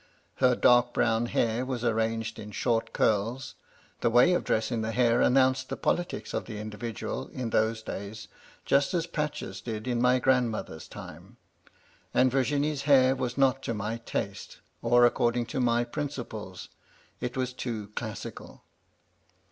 Her dark brown hair was arranged in short curls — the way of dressing the hair announced the politics of the individual, in those days, just as patches did in my grandmother's time ; and Virginie's hair was not to my taste, or according to my principles ; it was too classical.